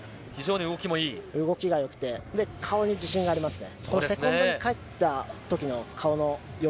動きが良くて顔に自信がありますね。